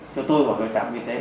cho tôi vào cái trạm y tế